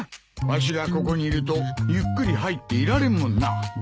わしがここにいるとゆっくり入っていられんもんな。